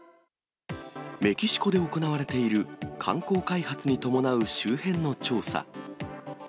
メキシコで行われている観光開発に伴う周辺の調査。